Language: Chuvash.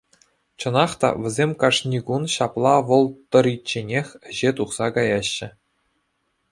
Чӑнах та весем кашни кун ҫапла вӑл тӑричченех ӗҫе тухса каяҫҫӗ.